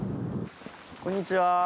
こんにちは。